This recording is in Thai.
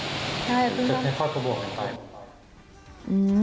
ให้พ่อกบวน